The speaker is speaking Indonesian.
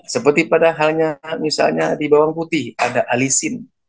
seperti padahalnya misalnya di bawang putih ada alisin